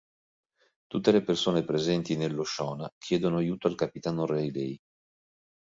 Tutte le persone presenti nell'Oshona chiedono aiuto al capitano Riley.